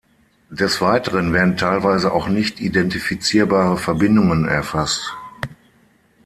Des Weiteren werden teilweise auch nicht identifizierbare Verbindungen erfasst.